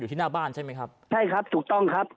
ที่หน้าบ้านใช่ไหมครับใช่ครับถูกต้องครับ